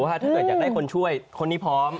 ถ้าเกิดอยากได้คนช่วยคนนี้พร้อม